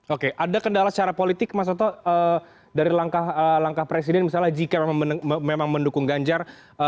oke ada kendala secara politik mas soto dari langkah langkah presiden misalnya jika memang mendukung ganjar